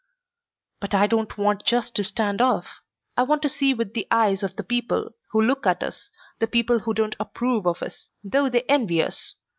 "But I don't want just to stand off. I want to see with the eyes of the people who look at us, the people who don't approve of us, though they envy us.